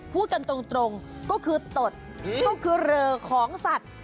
พูดกันตรงก็คือตดก็คือเรอของสัตว์